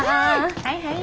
はいはい。